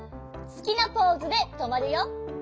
すきなポーズでとまるよ！